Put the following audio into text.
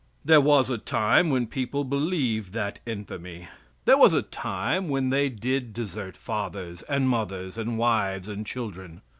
There was a time when people believed that infamy. There was a time when they did desert fathers; and mothers, and wives and children.